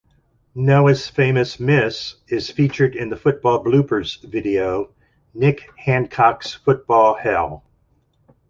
Noah's famous miss is featured in the football bloopers video "Nick Hancock's Football Hell".